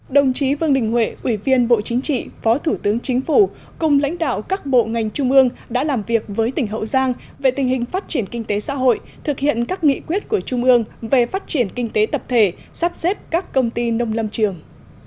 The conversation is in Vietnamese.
đồng chí vương đình huệ ủy viên bộ chính trị phó thủ tướng chính phủ cùng lãnh đạo các bộ ngành trung ương đã làm việc với tỉnh hậu giang về tình hình phát triển kinh tế xã hội thực hiện các nghị quyết của trung ương về phát triển kinh tế tập thể sắp xếp các công ty nông lâm trường